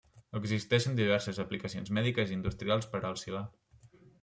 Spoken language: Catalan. Existeixen diverses aplicacions mèdiques i industrials per al silà.